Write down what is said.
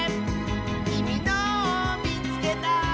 「きみのをみつけた！」